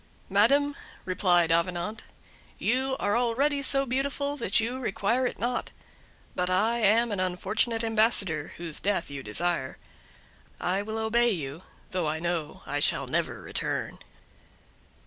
"Madam," replied Avenant, "you are already so beautiful that you require it not; but I am an unfortunate ambassador whose death you desire; I will obey you, though I know I shall never return."